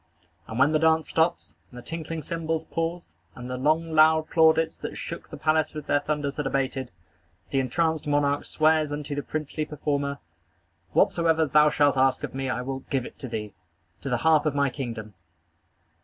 And when the dance stops, and the tinkling cymbals pause, and the long, loud plaudits that shook the palace with their thunders had abated, the entranced monarch swears unto the princely performer: "Whatsoever thou shalt ask of me I will give it to thee, to the half of my kingdom."